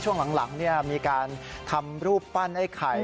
ช่วงหลังมีการทำรูปปั้นไอ้ไข่